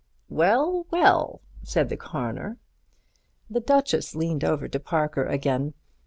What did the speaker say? "Well, well," said the Coroner. The Duchess leaned over to Parker again.